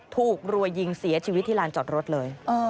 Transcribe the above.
รวยยิงเสียชีวิตที่ลานจอดรถเลย